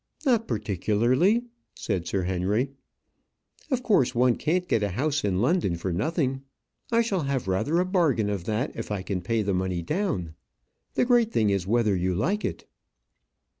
"Not particularly," said Sir Henry. "Of course one can't get a house in London for nothing. I shall have rather a bargain of that if I can pay the money down. The great thing is whether you like it."